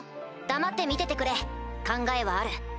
黙って見ててくれ考えはある。